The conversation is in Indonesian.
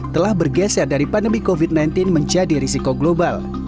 telah bergeser dari pandemi covid sembilan belas menjadi risiko global